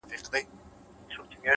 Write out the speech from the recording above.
انسان د خپلو پټو انتخابونو نتیجه ده؛